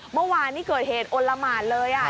เมื่อวานนี้เกิดเหตุอลละหมานเลย